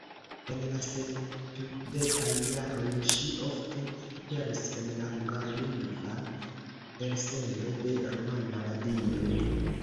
En la sepdekaj jaroj ŝi ofte aperis en la hungarlingva elsendo de Rumana Radio.